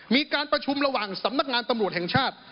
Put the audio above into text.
มีการประชุมระหว่างสำนักงานตำรวจแห่งชาติ